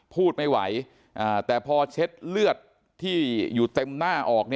พูดไม่ไหวแต่พอเช็ดเลือดที่อยู่เต็มหน้าออก